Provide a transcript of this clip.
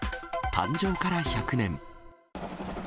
誕生から１００年。